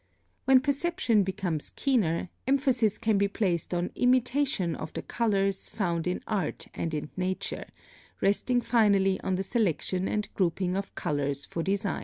When perception becomes keener, emphasis can be placed on imitation of the colors found in art and in nature, resting finally on the selection and grouping of colors for design.